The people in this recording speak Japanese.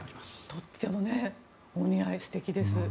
とてもお似合い素敵です。